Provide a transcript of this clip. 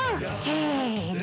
せの。